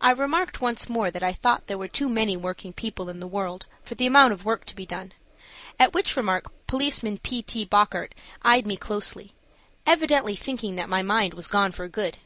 I remarked once more that I thought there were too many working people in the world for the amount of work to be done, at which remark Policeman P. T. Bockert eyed me closely, evidently thinking that my mind was gone for good.